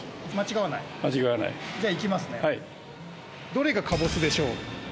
どれがかぼすでしょう？